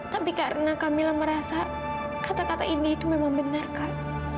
tapi karena kamilah merasa kata kata ini itu memang benar kak